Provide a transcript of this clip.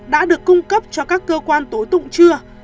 đã được cung cấp cho các cơ quan tố tụng chưa